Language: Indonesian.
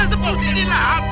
istighfar pak aji sulam